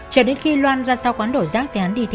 trở đến khi loan ra sau quán đổ rác